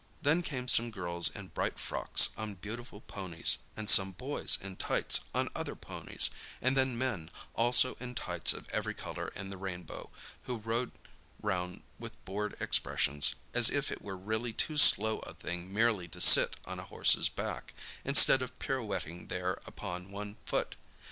Then came some girls in bright frocks, on beautiful ponies; and some boys, in tights, on other ponies; and then men, also in tights of every colour in the rainbow, who rode round with bored expressions, as if it were really too slow a thing merely to sit on a horse's back, instead of pirouetting there upon one foot.